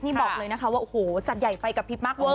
นี่บอกเลยนะคะว่าโอ้โหจัดใหญ่ไฟกระพริบมากเวอร์